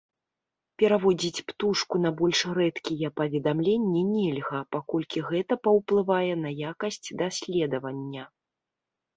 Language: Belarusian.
Пераводзіць птушку на больш рэдкія паведамленні нельга, паколькі гэта паўплывае на якасць даследавання.